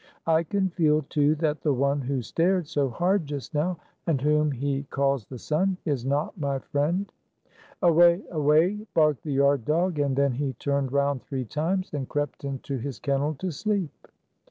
I can feel, 204 too, that the ont who stared so hard just now, and whom he ca Is the sun, is not my friend." "Away! Away!" barked the yard dog, and then he turned round three times, and crept into his kennel to sleep.